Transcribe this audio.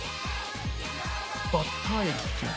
バッター液。